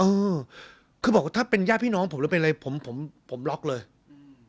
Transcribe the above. เออคือบอกว่าถ้าเป็นญาติพี่น้องผมหรือเป็นอะไรผมผมผมล็อกเลยอืม